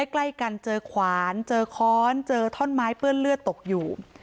ใกล้กันเจอขวานเจอค้อนเจอท่อนไม้เปื้อนเลือดตกอยู่